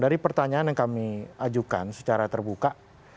dari pertanyaan yang kami ajukan secara terbuka